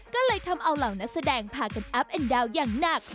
ก็เลยทำเอาเหล่านักแสดงพากันอัพเอ็นดาวนอย่างหนัก